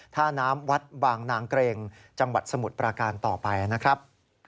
ท่าน้ำวัดบางนางเกร็งจังหวัดสมุทรปราการต่อไปนะครับ